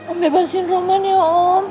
om bebasin roman ya om